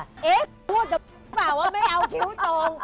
เอ๊ะพูดกับบ้าวว่าไม่เอาคิวตรง